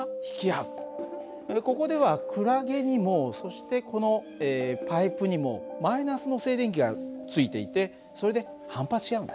ここではクラゲにもそしてこのパイプにもマイナスの静電気がついていてそれで反発し合うんだね。